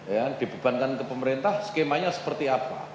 ya dibebankan ke pemerintah skemanya seperti apa